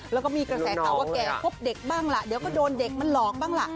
แล้วก็มีกระแสข่าวว่าแก่พบเด็กบ้างล่ะเดี๋ยวก็โดนเด็กมันหลอกบ้างล่ะ